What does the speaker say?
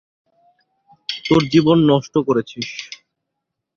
তোর জীবন নষ্ট করেছিস।